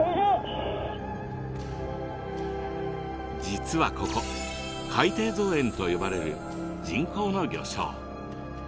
実はここ「海底造園」と呼ばれる人工の魚礁。